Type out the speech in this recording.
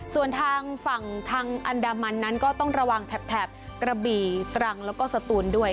ส่วนทางฝั่งทางอันดามันนั้นก็ต้องระวังแถบกระบี่ตรังแล้วก็สตูนด้วย